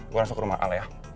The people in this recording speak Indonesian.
gue langsung ke rumah al ya